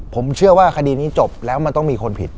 ผมเชื่อว่าคดีนี้จบแล้วมันต้องมีคนผิด